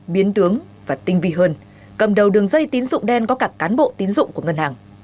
biến tướng và tinh vi hơn cầm đầu đường dây tiến dụng đen có cả cán bộ tiến dụng của ngân hàng